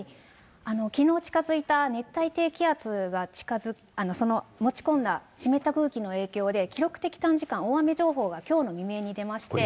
きのう、近づいた熱帯低気圧が持ち込んだ湿った空気の影響で、記録的短時間大雨情報がきょうの未明に出まして。